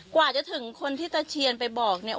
กว่าจะถึงคนที่ตะเชียนไปบอกเนี่ย